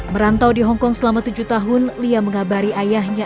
merantau di hongkong selama tujuh tahun lia mengabari ayahnya